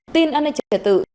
tin an ninh trở tự